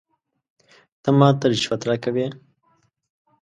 ته ماته رشوت راکوې ؟